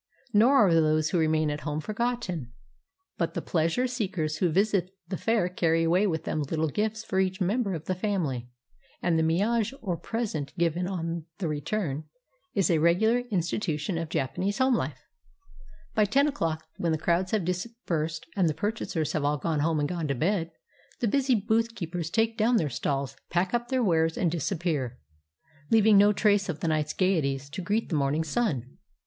Nor are those who remain at home forgotten, but the pleasure seekers who visit the fair carry away with them Uttle gifts for each member of the family, and the 0 miage, or present given on the return, is a regular institution of Japanese home Ufe. By ten o'clock, when the crowds have dispersed and the purchasers have all gone home and gone to bed, the busy booth keepers take down their stalls, pack up their wares, and disappear, leaving no trace of the night's gayeties to greet the morning sun.